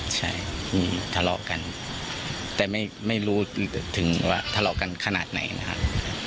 ใช่มีทะเลาะกันแต่ไม่รู้ถึงว่าทะเลาะกันขนาดไหนนะครับ